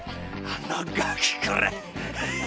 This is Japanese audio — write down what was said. あのガキ、こら。